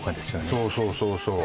そうそうそうそう